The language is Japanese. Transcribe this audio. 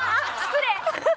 失礼。